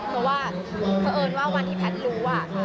เพราะว่าเพราะเอิญว่าวันที่แพทย์รู้